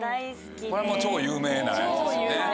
これも超有名なやつですよね。